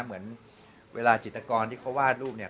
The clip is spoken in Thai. เหมือนเวลาจิตกรที่เขาวาดรูปเนี่ย